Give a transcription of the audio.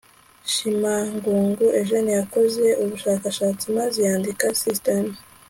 shimamungu eugène yakoze ubushakashatsi maze yandika système